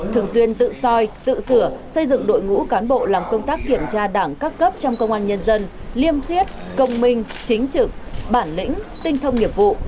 thường xuyên tự soi tự sửa xây dựng đội ngũ cán bộ làm công tác kiểm tra đảng các cấp trong công an nhân dân liêm khiết công minh chính trực bản lĩnh tinh thông nghiệp vụ